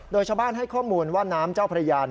โดยชาวบ้านให้ข้อมูลว่าน้ำเจ้าพระยา